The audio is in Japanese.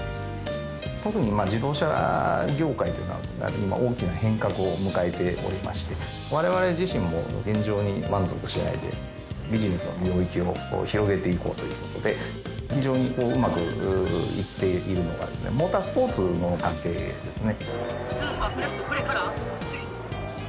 特に自動車業界というのは今大きな変革を迎えておりまして我々自身も現状に満足しないでビジネスの領域を広げていこうということで非常にうまくいっているのがですねモータースポーツの関係ですね